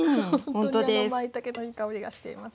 ほんとにまいたけのいい香りがしています。